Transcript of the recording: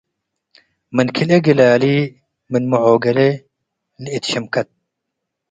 ምን ክልኤ ግላሊ ምን ምዖገሌ ለእት ሽምከት